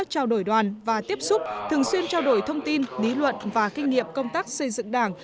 trao đổi đoàn và tiếp xúc thường xuyên trao đổi thông tin lý luận và kinh nghiệm công tác xây dựng đảng